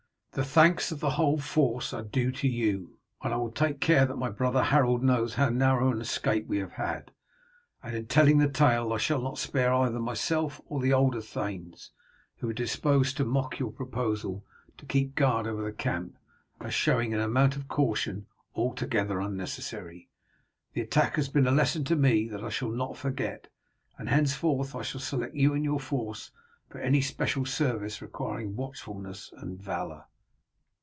The thanks of the whole force are due to you, and I will take care that my brother Harold knows how narrow an escape we have had, and in telling the tale I shall not spare either myself or the older thanes, who were disposed to mock your proposal to keep guard over the camp, as showing an amount of caution altogether unnecessary. The attack has been a lesson to me that I shall not forget, and henceforth I shall select you and your force for any special service requiring watchfulness and valour."